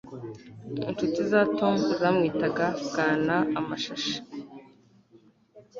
inshuti za tom zamwitaga bwana amashashi